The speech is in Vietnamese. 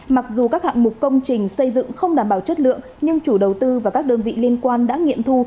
mặc dù các hạng mục công trình xây dựng không đảm bảo chất lượng nhưng chủ đầu tư và các đơn vị liên quan đã nghiệm thu